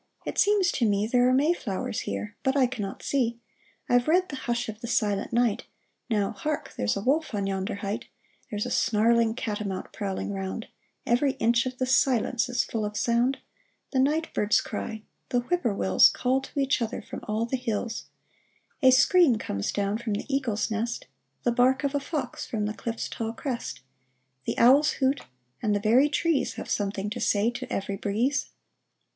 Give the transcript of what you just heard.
" It seems to me There are May flowers here, but I cannot see. I've read of the ' hush of the silent night' ; Now hark ! there's a wolf on yonder height ; There's a snarling catamount prowling round ; Every inch of the * silence ' is full of sound ; The night birds cry ; the whip poor wills 420 THE ARMORER'S ERRAND Call to each other from all the hills ; A scream comes down from the eagle's nest ; The bark of a fox from the cliffs tall crest ; The owls hoot ; and the very trees Have something to say to every breeze